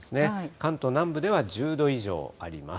関東南部では１０度以上あります。